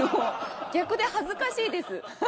逆で恥ずかしいです。